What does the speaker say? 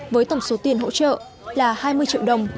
với tổng số tiền hỗ trợ là hai mươi triệu đồng